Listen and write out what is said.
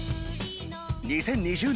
２０２０年